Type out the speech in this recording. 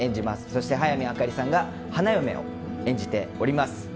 そして早見あかりさんが花嫁を演じております。